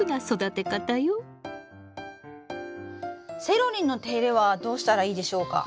セロリの手入れはどうしたらいいでしょうか？